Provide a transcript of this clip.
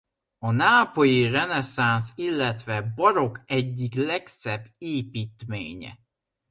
A nápolyi reneszánsz illetve barokk egyik legszebb építménye.